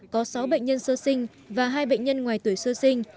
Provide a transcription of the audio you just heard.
có sáu bệnh nhân sơ sinh và hai bệnh nhân ngoài tuổi sơ sinh